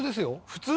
普通？